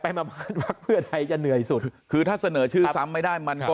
มาบ้านพักเพื่อไทยจะเหนื่อยสุดคือถ้าเสนอชื่อซ้ำไม่ได้มันก็